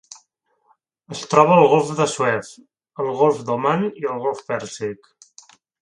Es troba al golf de Suez, el golf d'Oman i el golf Pèrsic.